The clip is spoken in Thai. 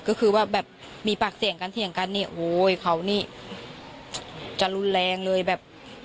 ก็คือว่าแบบมีปากเสียงกันเถียงกันนี่โอ้ยเขานี่จะรุนแรงเลยแบบ